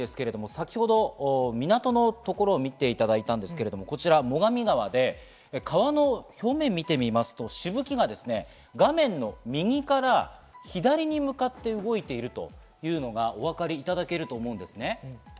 先ほど港のところを見ていただいたんですが、こちら最上川で川の表面を見てみますと、しぶきが画面の右から左に向かって動いているというのがお分かりいただけると思います。